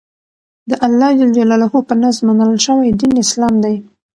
دالله ج په نزد منل شوى دين اسلام دى.